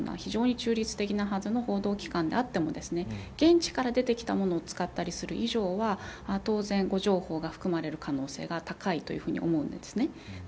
あるいは例えばロイター社のような中立的な報道機関であっても現地から出てきたものを使ったりする以上は当然誤情報が含まれる可能性が高いと思うんです。